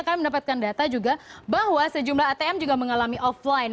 kami mendapatkan data juga bahwa sejumlah atm juga mengalami offline